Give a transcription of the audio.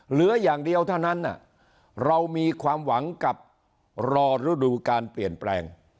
เหลืออย่างเดียวเท่านั้นเรามีความหวังกับรอฤดูการเปลี่ยนแปลง